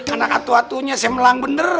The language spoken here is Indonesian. anak atu atunya semelang bener